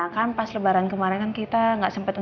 kan pas lebaran kemarin kan kita gak sempet jalan